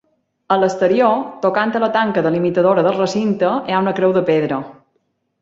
A l'exterior, tocant a la tanca delimitadora del recinte, hi ha una creu de pedra.